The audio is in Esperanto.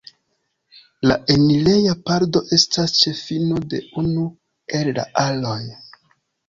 La enireja pordo estas ĉe fino de unu el la aloj.